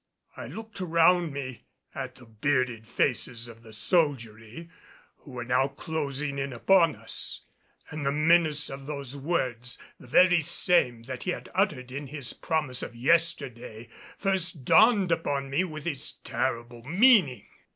I looked around me at the bearded faces of the soldiery, who were now closing in upon us, and the menace of those words, the very same that he had uttered in his promise of yesterday, first dawned upon me with its terrible meaning.